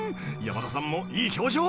山田さんもいい表情］